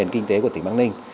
kinh tế của tỉnh bắc ninh